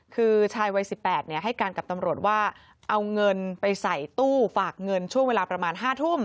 คือชายวัย๑๘ให้การกับตำรวจว่าเอาเงินไปใส่ตู้ฝากเงินช่วงเวลาประมาณ๕ทุ่ม